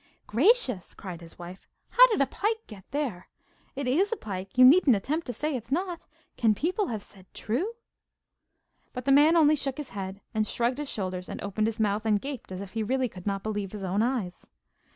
'Gracious!' cried his wife. 'How did a pike get there? It IS a pike you needn't attempt to say it's not. Can people have said true ' But the man only shook his head and shrugged his shoulders and opened his mouth and gaped as if he really could not believe his own eyes.